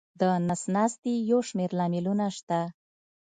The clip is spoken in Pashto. د نس ناستي یو شمېر لاملونه شته.